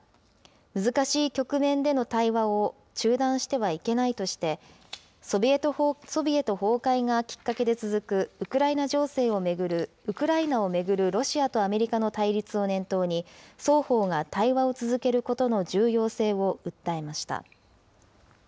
難しい局面での対話を中断してはいけないとして、ソビエト崩壊がきっかけで続く、ウクライナを巡るロシアとアメリカの対立を念頭に、双方が対話を続けることの重要性を訴えました。